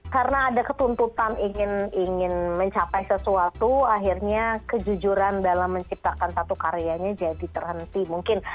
karena ada ketuntutan ingin mencapai sesuatu akhirnya kejujuran dalam menciptakan satu karyanya jadi terhenti mungkin